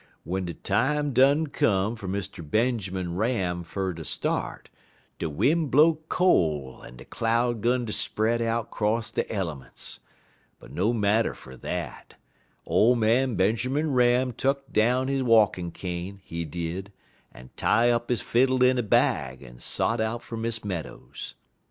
Wen de time done come fer Mr. Benjermun Ram fer ter start, de win' blow cole en de cloud 'gun ter spread out 'cross de elements but no marter fer dat; ole man Benjermun Ram tuck down he walkin' cane, he did, en tie up he fiddle in a bag, en sot out fer Miss Meadows.